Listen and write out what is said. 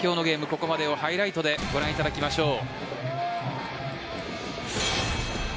ここまでをハイライトでご覧いただきましょう。